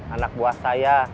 anak buah saya